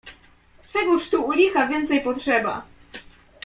"Czegóż tu, u licha, więcej potrzeba?"